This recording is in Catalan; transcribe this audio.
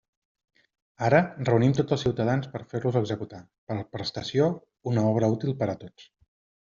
Ara, reunim tots els ciutadans per a fer-los executar, per prestació, una obra útil per a tots.